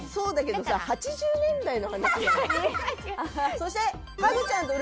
そして。